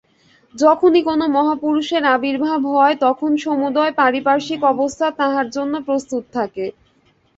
যখনই কোন মহাপুরুষের আবির্ভাব হয়, তখন সমুদয় পারিপার্শ্বিক অবস্থা তাঁহার জন্য প্রস্তুত থাকে।